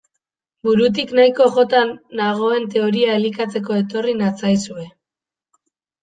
Burutik nahiko jota nagoen teoria elikatzeko etorri natzaizue.